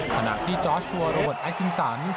ถนัดที่จอร์ชัวร์โรบอทแอคซินสัน